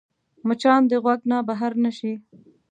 مچان د غوږ نه بهر نه شي